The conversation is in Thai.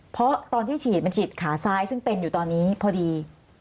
เพราะตอนที่ฉีดมันฉีดขาซ้ายซึ่งเป็นอยู่ตอนนี้พอดี